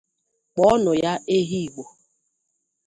Kpọọ nụ ya ehi Igbo.